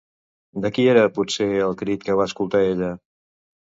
De qui era, potser, el crit que va escoltar ella?